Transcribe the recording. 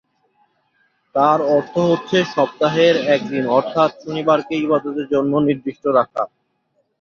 তার অর্থ হচ্ছে সপ্তাহের একদিন অর্থাৎ শনিবারকে ইবাদতের জন্যে নির্দিষ্ট রাখা।